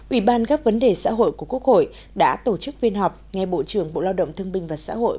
ủy ban các vấn đề xã hội của quốc hội đã tổ chức viên họp ngay bộ trưởng bộ lao động thương binh và xã hội